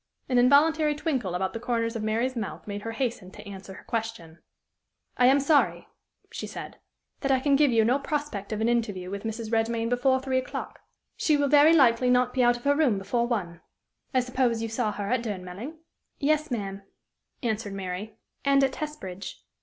An involuntary twinkle about the corners of Mary's mouth made her hasten to answer her question. "I am sorry," she said, "that I can give you no prospect of an interview with Mrs. Redmain before three o'clock. She will very likely not be out of her room before one. I suppose you saw her at Durnmelling?" "Yes, ma'am," answered Mary, " and at Testbridge."